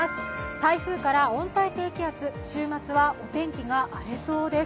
台風から温帯低気圧週末はお天気が荒れそうです。